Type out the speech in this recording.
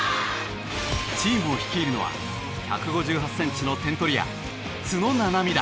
チームを率いるのは１５８センチの点取り屋都野七海だ。